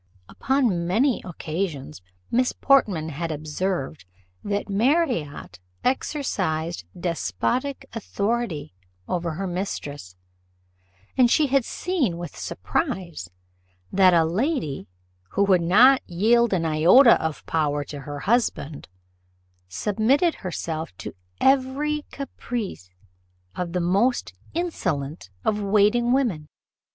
Upon many occasions Miss Portman had observed, that Marriott exercised despotic authority over her mistress; and she had seen, with surprise, that a lady, who would not yield an iota of power to her husband, submitted herself to every caprice of the most insolent of waiting women.